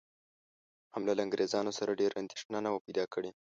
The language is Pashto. حمله له انګرېزانو سره ډېره اندېښنه نه وه پیدا کړې.